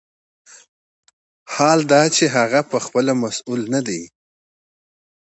حال دا چې هغه پخپله مسوول نه دی.